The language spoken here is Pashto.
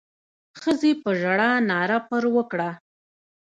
ښځې په ژړا ناره پر وکړه.